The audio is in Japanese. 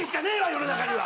世の中には。